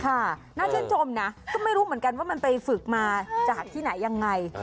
น่าชื่นชมนะก็ไม่รู้เหมือนกันว่ามันไปฝึกมาจากที่ไหนยังไง